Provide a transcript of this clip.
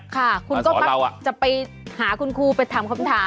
ค่ะคุณก็มักจะไปหาคุณครูไปถามคำถาม